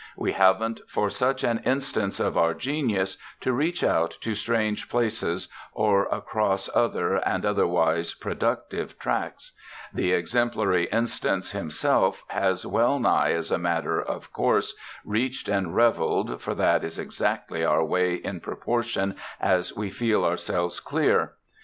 We haven't, for such an instance of our genius, to reach out to strange places or across other, and otherwise productive, tracts; the exemplary instance himself has well nigh as a matter of course reached and revelled, for that is exactly our way in proportion as we feel ourselves clear.